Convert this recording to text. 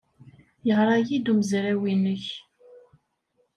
Yeɣra-iyi-d umezraw-nnek.